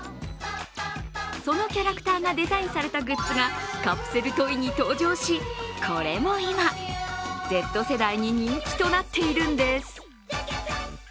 そのキャラクターがデザインされたグッズがカプセルトイに登場しこれも今、Ｚ世代に人気となっているんです。